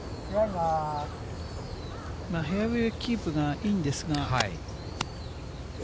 フェアウエーキープがいいんですが。